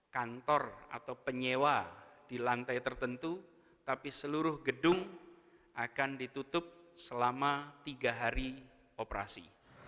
kantor atau penyewa di lantai tertentu tapi seluruh gedung akan ditutup selama tiga hari operasi